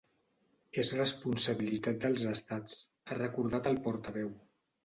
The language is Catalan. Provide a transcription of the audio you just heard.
“És responsabilitat dels estats”, ha recordat el portaveu.